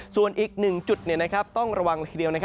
ส่วนอีกหนึ่งจุดต้องระวังละครึ่งเดียว